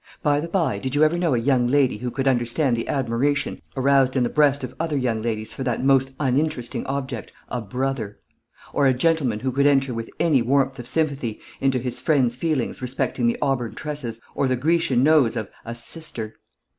By the by, did you ever know a young lady who could understand the admiration aroused in the breast of other young ladies for that most uninteresting object, a brother? Or a gentleman who could enter with any warmth of sympathy into his friend's feelings respecting the auburn tresses or the Grecian nose of "a sister"?